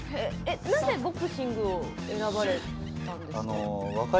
何でボクシングを選ばれたんですか。